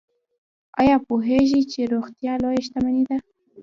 ایا پوهیږئ چې روغتیا لویه شتمني ده؟